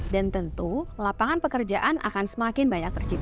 dan tentu lapangan pekerjaan akan semakin banyak tercipta